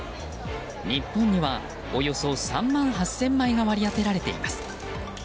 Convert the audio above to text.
日本にはおよそ３万８０００枚が割り当てられています。